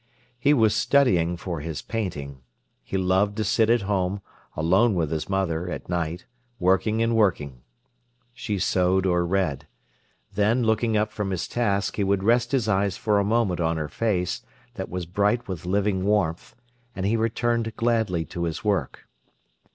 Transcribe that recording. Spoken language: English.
He was studying for his painting. He loved to sit at home, alone with his mother, at night, working and working. She sewed or read. Then, looking up from his task, he would rest his eyes for a moment on her face, that was bright with living warmth, and he returned gladly to his work.